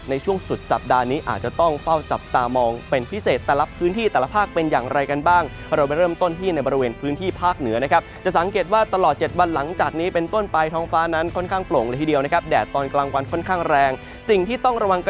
ในช่วงสุดสัปดาห์นี้อาจจะต้องเป้าจับตามอง